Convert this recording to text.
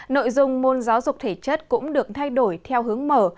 nội dung môn giáo dục thể chất cũng được thay đổi theo hướng mở